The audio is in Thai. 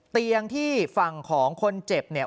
เตียงที่ฝั่งของคนเจ็บเนี่ย